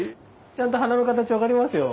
ちゃんと花の形分かりますよ。